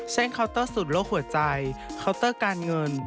เคาน์เตอร์สุดโลกหัวใจเคาน์เตอร์การเงิน